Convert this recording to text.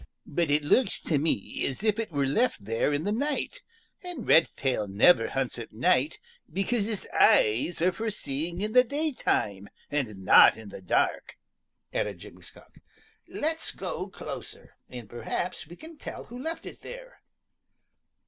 "But it looks to me as if it were left there in the night, and Redtail never hunts at night because his eyes are for seeing in the daytime and not in the dark," added Jimmy Skunk. "Let's go closer, and perhaps we can tell who left it there."